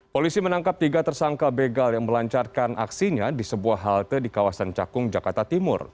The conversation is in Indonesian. polisi menangkap tiga tersangka begal yang melancarkan aksinya di sebuah halte di kawasan cakung jakarta timur